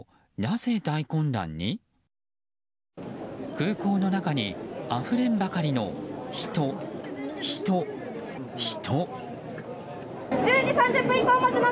空港の中にあふれんばかりの人、人、人。